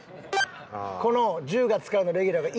この１０月からのレギュラーが１個きた。